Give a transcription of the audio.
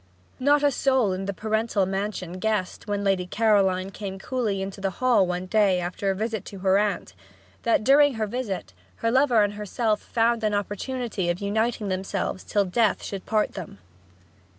Not a soul in the parental mansion guessed, when Lady Caroline came coolly into the hall one day after a visit to her aunt, that, during that visit, her lover and herself had found an opportunity of uniting themselves till death should part them.